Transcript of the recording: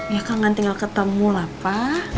ya kangen tinggal ketemu lah pak